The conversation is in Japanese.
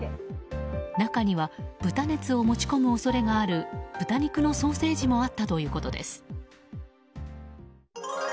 中には豚熱を持ち込む恐れがある豚肉のソーセージもあったということです。